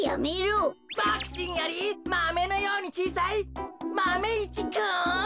ボクちんよりマメのようにちいさいマメ１くん！